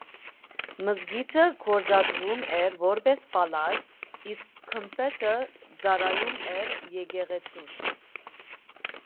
Մզկիթը գործածվում էր որպես պալատ, իսկ գմբեթը ծառայում էր եկեղեցուն։